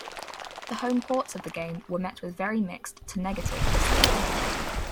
The home ports of the game were met with very mixed to negative reception.